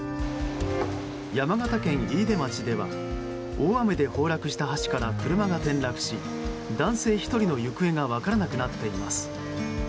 山形県飯豊町では大雨で崩落した橋から車が転落し男性１人の行方が分からなくなっています。